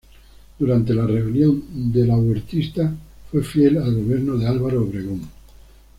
Durante la Rebelión delahuertista fue fiel al gobierno de Álvaro Obregón.